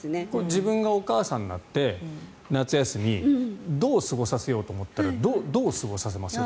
自分がお母さんになって夏休みどう過ごさせようと思ったらどう過ごさせます？